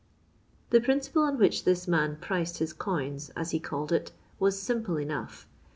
The principle on which this man "priced" his coins, as he cnlled it, was simple enough.